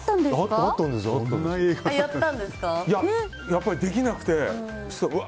やっぱりできなくて。